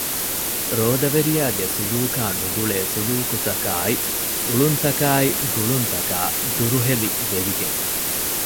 ރޯދަވެރިޔާގެ ސުލޫކާ ނުގުޅޭ ސުލޫކުތަކާއި އުޅުންތަކާއި ގުޅުންތަކާ ދުރުހެލި ވެވިގެން